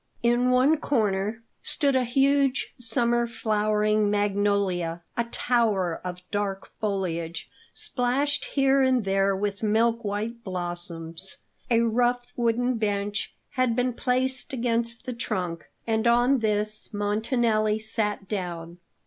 In one corner stood a huge summer flowering magnolia, a tower of dark foliage, splashed here and there with milk white blossoms. A rough wooden bench had been placed against the trunk; and on this Montanelli sat down.